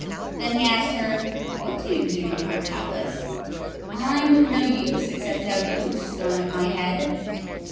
Then he asked her, 'What do you do in my palace?' 'I am of no use except to have boots thrown at my head.